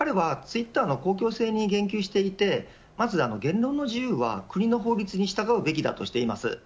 ここで彼はツイッターの公共性に言及していてまず言論の自由は国の法律に従うべきとしています。